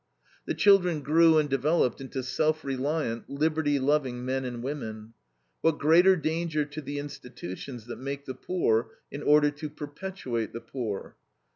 The children grew and developed into self reliant, liberty loving men and women. What greater danger to the institutions that make the poor in order to perpetuate the poor.